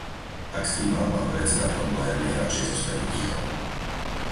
Ak s tým má pán predseda problém, nech radšej zostane ticho.